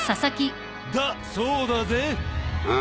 だそうだぜ。